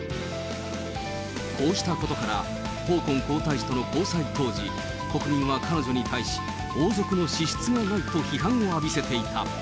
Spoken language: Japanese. こうしたことから、ホーコン皇太子との交際当時、国民は彼女に対し、王族の資質がないと批判を浴びせた。